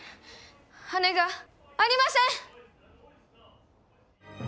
羽がありません！